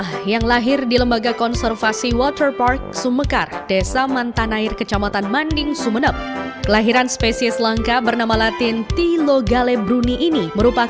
kangguru ini adalah salah satu dari delapan jenis kangguru